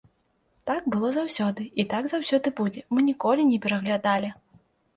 Так было заўсёды і так заўсёды будзе, мы ніколі не пераглядалі.